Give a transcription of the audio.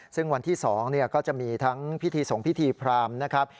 ซึ่งวันที่๒ก็จะมีทั้งพิธีสงพิธีพรามนะครับ